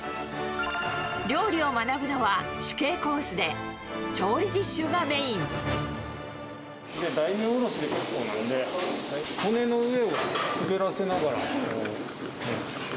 料理を学ぶのは主計コースで、大名おろしなので、骨の上を滑らせながら。